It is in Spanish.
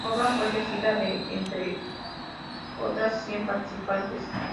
Nova fue elegida de entre otras cien participantes.